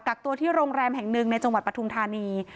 กักตัวที่โรงแรมแห่งหนึ่งในจังหวัดปทุมธานี